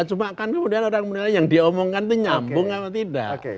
cuma kemudian orang orang yang diomongkan itu nyambung atau tidak